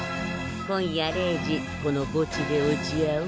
今夜０時この墓地で落ち合おう。